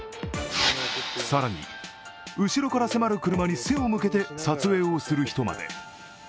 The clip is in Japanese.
更に後ろから迫る車に背を向けて撮影をする人まで。